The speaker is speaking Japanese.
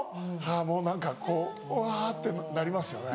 あぁもう何かこううわってなりますよね。